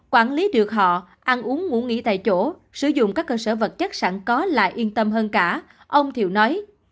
quản lý được họ ăn uống ngủ nghỉ tại chỗ sử dụng các cơ sở vật chất sẵn có lại yên tâm hơn cả ông thiệu nói